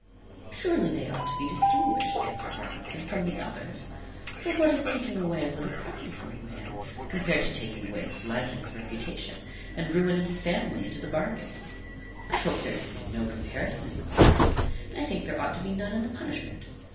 "Surely they ought to be distinguished," answered Robinson, "from the others: for what is taking away a little property from a man, compared to taking away his life and his reputation, and ruining his family into the bargain? I hope there can be no comparison in the crimes, and I think there ought to be none in the punishment.